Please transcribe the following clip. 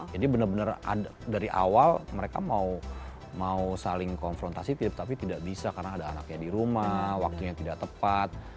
jadi bener bener dari awal mereka mau saling konfrontasi tapi tidak bisa karena ada anaknya di rumah waktunya tidak tepat